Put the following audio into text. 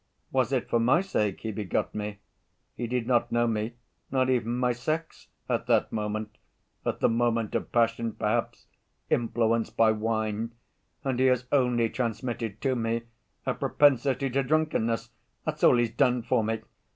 'Was it for my sake he begot me? He did not know me, not even my sex, at that moment, at the moment of passion, perhaps, inflamed by wine, and he has only transmitted to me a propensity to drunkenness—that's all he's done for me....